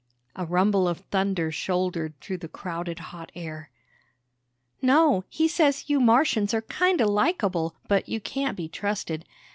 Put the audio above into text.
A rumble of thunder shouldered through the crowded hot air. "No. He says, you Martians are kinda likeable, but you can't be trusted.